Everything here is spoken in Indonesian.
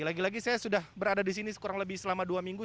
lagi lagi saya sudah berada di sini kurang lebih selama dua minggu